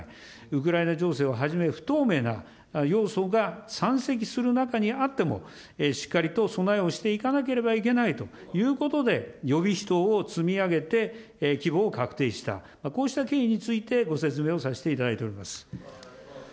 ウクライナ情勢をはじめ、不透明な要素が山積する中にあっても、しっかりと備えをしていかなければいけないということで、予備費等を積み上げて規模を確定した、こうした経緯について、ご説明をさせていただいております。